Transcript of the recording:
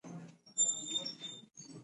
نو ښايي تاسې ورسره خپل وجود کې